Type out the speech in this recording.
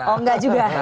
oh gak juga